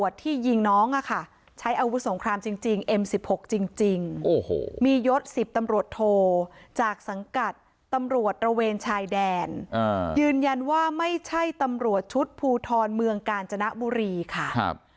จากสังกัดตำรวจระเวนชายแดนอ่ายืนยันว่าไม่ใช่ตำรวจชุดภูทรเมืองกาญจนบุรีค่ะครับ